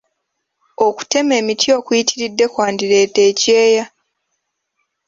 Okutema emiti okuyitiridde kwandireeta ekyeya.